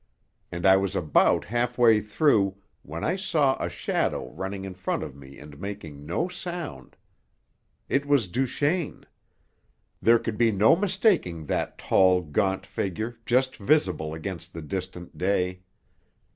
And I was about half way through when I saw a shadow running in front of me and making no sound. It was Duchaine. There could be no mistaking that tall, gaunt figure, just visible against the distant day.